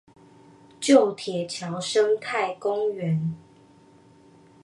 舊鐵橋生態公園